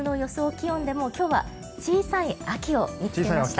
気温でも今日は小さい秋を見つけました。